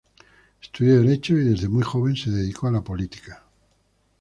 Estudió Derecho y desde muy joven se dedicó a la política.